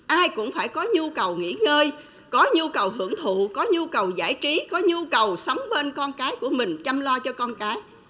ai cũng phải có nhu cầu nghỉ ngơi có nhu cầu hưởng thụ có nhu cầu giải trí có nhu cầu sống bên con cái của mình chăm lo cho con cái